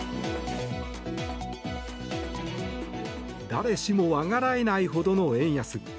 誰しもあらがえないほどの円安。